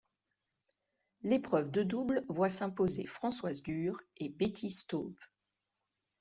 L'épreuve de double voit s'imposer Françoise Dürr et Betty Stöve.